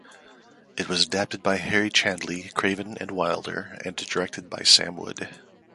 It was adapted by Harry Chandlee, Craven and Wilder, and directed by Sam Wood.